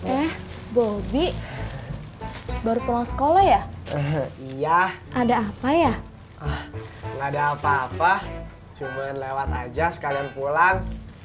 eh bobby baru pulang sekolah ya iya ada apa ya nggak ada apa apa cuma lewat aja sekalian pulang